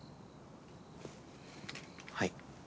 はい。